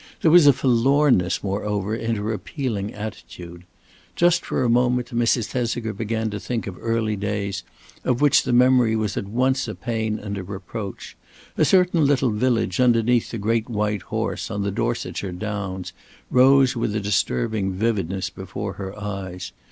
There was a forlornness, moreover, in her appealing attitude. Just for a moment Mrs. Thesiger began to think of early days of which the memory was at once a pain and a reproach. A certain little village underneath the great White Horse on the Dorsetshire Downs rose with a disturbing vividness before her eyes.